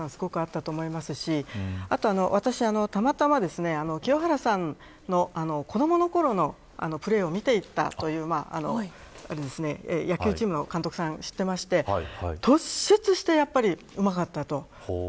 ムードメーカー的な全体を明るくする力清原さんはすごくあったと思いますし私は、たまたま清原さんの子どものころのプレーを見ていたという野球チームの監督さんを知っていまして突出して、うまかったと。